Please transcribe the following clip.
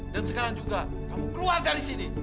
dan sekarang juga kamu keluar dari sini